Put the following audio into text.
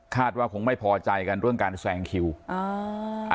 ว่าคงไม่พอใจกันเรื่องการแซงคิวอ่า